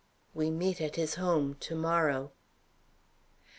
We meet at his home to morrow.